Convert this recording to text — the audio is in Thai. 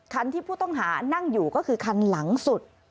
คันที่ผู้ต้องหานั่งอยู่ก็คือคันหลังสุด